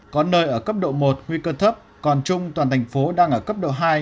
có nơi ở cấp độ một nguy cơ thấp còn trung toàn thành phố đang ở cấp độ hai